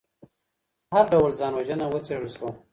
هر ډول ځان وژنه وڅیړل سوه.